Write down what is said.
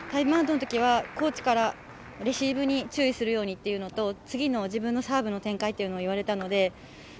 コーチからレシーブに注意するようにというのと次の自分のサーブの展開というのを言われたので。